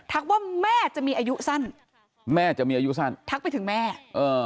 ว่าแม่จะมีอายุสั้นแม่จะมีอายุสั้นทักไปถึงแม่เออ